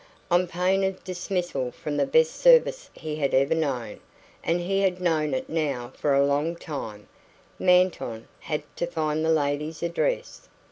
On pain of dismissal from the best service he had ever known and he had known it now for a long time Manton had to find the lady's address.